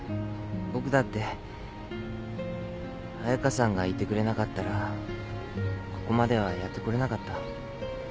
僕だって彩佳さんがいてくれなかったらここまではやってこれなかった。